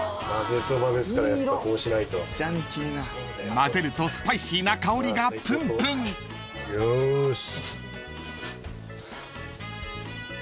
［まぜるとスパイシーな香りがプンプン］よし。